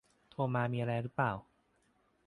โทรมามีอะไรหรือเปล่า